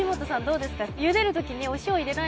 どうですか？